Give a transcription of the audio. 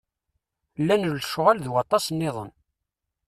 Llan lecɣal d waṭas-nniḍen.